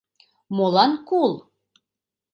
Молан кул?